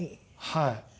はい。